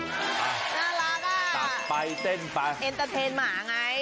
น่ารักอ่ะเอ็นเตอร์เทนหมาไงตัดไปเต้นไป